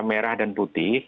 merah dan putih